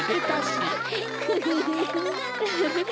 フフフフ。